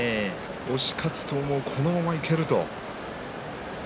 押し勝つとこのままいけると。